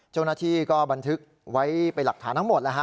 เจ้าหน้าที่ก็บันทึกไว้เป็นหลักฐานทั้งหมดแล้วฮ